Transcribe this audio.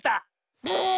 ブー！